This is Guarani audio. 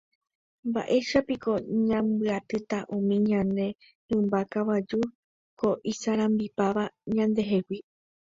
Mba'éichapiko ñambyatýta umi ñane rymba kavaju ko isarambipáva ñandehegui.